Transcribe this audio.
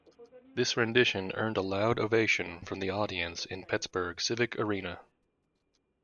This rendition earned a loud ovation from the audience in Pittsburgh's Civic Arena.